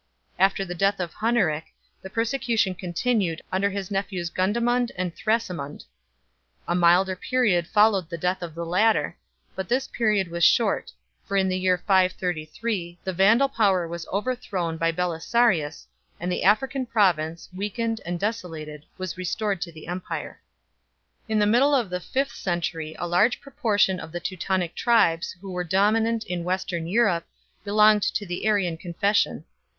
After the death of Hunneric, the persecution continued under his nephews Gundamund and Thrasimund. A milder period followed the death of the latter ; but this period was short, for in the year 533 the Vandal power was overthrown by Beli sarius, and the African province, weakened and desolated, was restored to the empire. 1 Victor Vitensis, Hist. Persecutionis Africans Provincice. Growth of the Church. 425 In the middle of the fifth century a large proportion of the Teutonic tribes who were dominant in Western Europe belonged to the Arian confession.